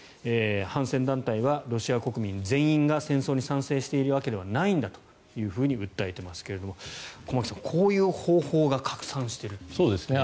反戦団体はロシア国民全員が戦争に賛成しているわけではないんだと訴えているということですが駒木さん、こういう方法が拡散しているんですね。